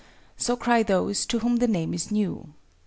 —so cry those to whom the name is new.